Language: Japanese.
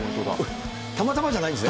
たまたまじゃないんですね。